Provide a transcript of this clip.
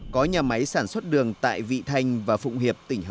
có nhà máy sản xuất đường tại vị thành